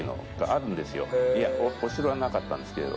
お城はなかったんですけど。